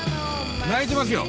鳴いてますよ。